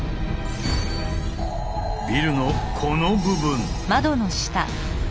ビルのこの部分。